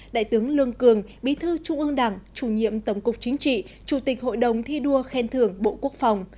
đại tướng lương cường bí thư trung ương đảng chủ nhiệm tổng cục chính trị chủ tịch hội đồng thi đua khen thưởng bộ quốc phòng